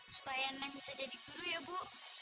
supaya menang bisa jadi guru ya bu